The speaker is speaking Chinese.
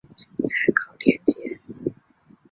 参考连结